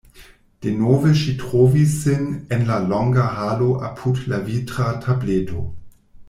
Denove ŝi trovis sin en la longa halo apud la vitra tableto.